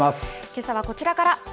けさはこちらから。